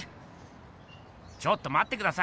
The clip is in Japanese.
ちょっとまってください！